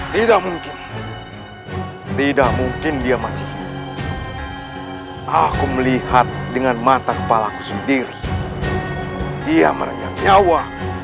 tidak mungkin tidak mungkin dia masih aku melihat dengan mata kepala aku sendiri dia meregang nyawa